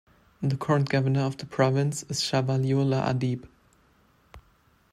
The current Governor of the province is Shah Waliullah Adeeb.